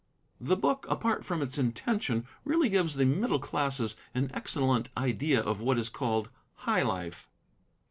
The book, apart from its intention, really gives the middle classes an excellent idea of what is called 'high life.'